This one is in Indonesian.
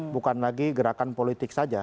bukan lagi gerakan politik saja